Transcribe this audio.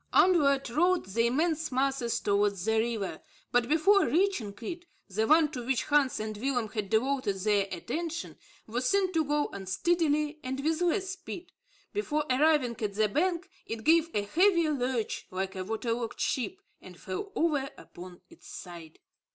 Onward rolled the immense masses towards the river, but before reaching it the one to which Hans and Willem had devoted their attention was seen to go unsteadily and with less speed. Before arriving at the bank, it gave a heavy lurch, like a water logged ship, and fell over upon its side.